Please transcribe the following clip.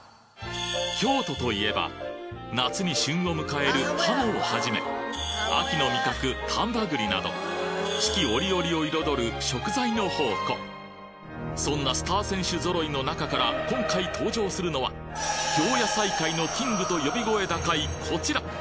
京都といえば夏に旬を迎える鱧を始め秋の味覚丹波栗など四季折々を彩る食材の宝庫そんなスター選手揃いの中から今回登場するのは京野菜界のキングと呼び声高いこちら！